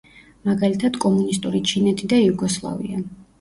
მაგალითად კომუნისტური ჩინეთი და იუგოსლავია.